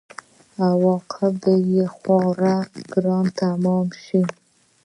عواقب به یې خورا ګران تمام شي.